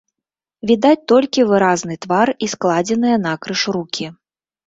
Відаць толькі выразны твар і складзеныя накрыж рукі.